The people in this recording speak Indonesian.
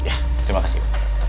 ya terima kasih